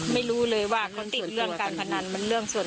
ไม่รู้เลยว่าเขาติดเรื่องการพนันมันเรื่องส่วน